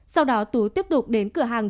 sau đó tú tiếp tục đến cửa hàng